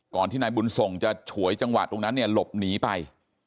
ก่อนที่นายบุญสงฆ์จะฉวยจังหวัดตรงนั้นลบหนีไป